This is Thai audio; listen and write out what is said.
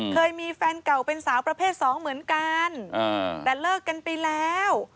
เคยมีแฟนเก่าเป็นสาวประเภทสองเหมือนกันแต่เลิกกันไปแล้ว